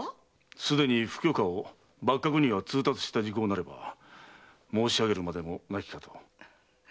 すでに不許可を幕閣には通達した事項なれば申し上げるまでもなきことかと。